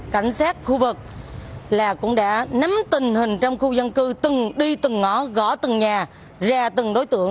cảnh sát khu vực cũng đã nắm tình hình trong khu dân cư từng đi từng ngõ gõ từng nhà ra từng đối tượng